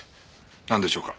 なんでしょうか？